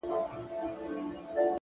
د حقیقت رڼا دوکه کمزورې کوي.